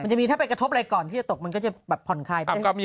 จะมีถ้าไปกระทบอะไรก่อนที่จะตกมันก็จะแบบผ่อนคลายไป